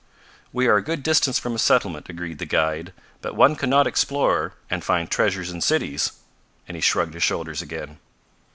"We are a good distance from a settlement," agreed the guide. "But one can not explore and find treasure in cities," and he shrugged his shoulders again.